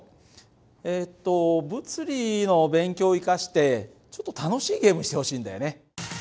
えっと物理の勉強を生かしてちょっと楽しいゲームしてほしいんだよね。